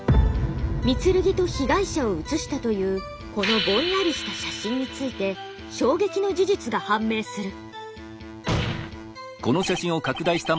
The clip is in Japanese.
御剣と被害者を写したというこのぼんやりした写真について衝撃の事実が判明する。